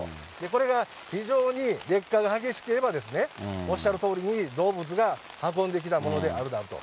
これが非常に劣化が激しければ、おっしゃるとおりに、動物が運んできたものであるだろうと。